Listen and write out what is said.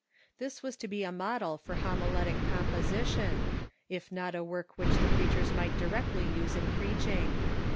This was to be a model for homiletic composition, if not a work which the preachers might directly use in preaching.